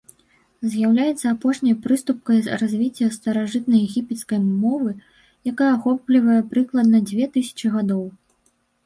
З'яўляецца апошняй прыступкай развіцця старажытнаегіпецкай мовы, якая ахоплівае прыкладна дзве тысячы гадоў.